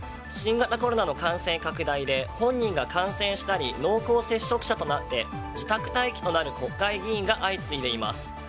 新型コロナの感染拡大で本人が感染したり濃厚接触者となって自宅待機となる国会議員が相次いでいます。